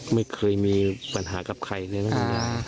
ไม่เคยมีปัญหากับใครเลยนะ